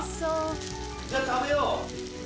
じゃあ食べよう。